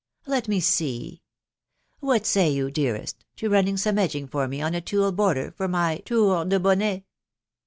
... Let me see .... what say you, dearest, to running some edging for me on a tulle border for my tour de bonnet